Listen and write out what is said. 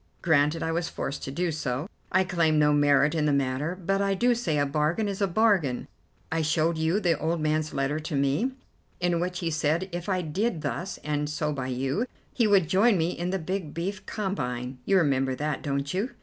Granted I was forced to do so. I claim no merit in the matter, but I do say a bargain is a bargain. I showed you the old man's letter to me, in which he said if I did thus and so by you, he would join me in the big beef combine. You remember that, don't you?"